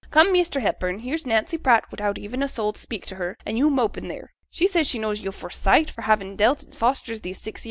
'Come, Measter Hepburn, here's Nancy Pratt wi'out ev'n a soul to speak t' her, an' yo' mopin' theere. She says she knows yo' by sight fra' having dealt at Foster's these six year.